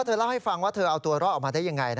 เธอเล่าให้ฟังว่าเธอเอาตัวรอดออกมาได้ยังไง